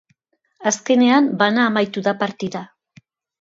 Azkenean bana amaitu da partida.